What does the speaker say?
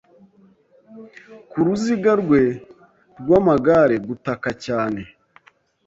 ku ruziga rwe rwamagare gutaka cyane